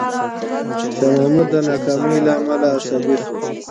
شاه محمود د ناکامۍ له امله عصبي شو.